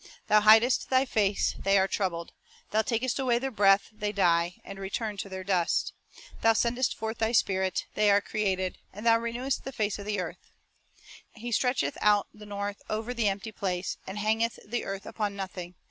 ' Thou hidest Thy face, they are troubled ; Thou takest away their breath, they die, And return to their dust. Thou sendest forth Thy Spirit, they are created ; And Thou renewest the face of the earth." 2 " He stretcheth out the north over the empty place, And hangeth the earth upon nothing.